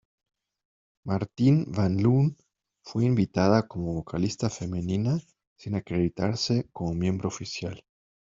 Martine van Loon fue invitada como vocalista femenina, sin acreditarse como miembro oficial.